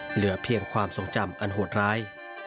เหลือเพียงความทรงจำอันโหดร้าย